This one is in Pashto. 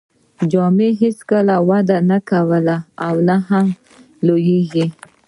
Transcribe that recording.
جامې هیڅکله وده نه کوي او نه هم لوییږي.